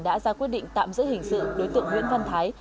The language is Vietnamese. đã ra quyết định tạm giữ hình sự đối tượng nguyễn văn thái